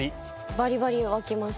バリバリ湧きました。